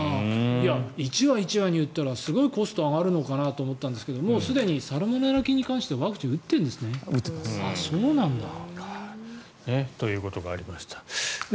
１羽１羽に打ったらすごいコスト上がると思ったんですがもうすでにサルモネラ菌に関してはワクチンを打ってるんですね。ということがありました。